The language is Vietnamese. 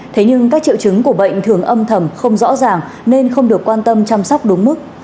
thế nhưng các triệu chứng của bệnh thường âm thầm không rõ ràng nên không được quan tâm chăm sóc đúng mức